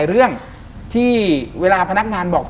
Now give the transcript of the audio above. คุณลุงกับคุณป้าสองคนนี้เป็นใคร